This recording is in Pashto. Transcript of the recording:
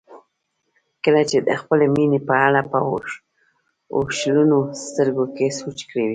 کله چې د خپلې مینې په اړه په اوښلنو سترګو سوچ کوئ.